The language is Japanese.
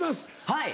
はい！